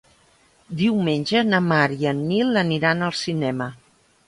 Diumenge na Mar i en Nil aniran al cinema.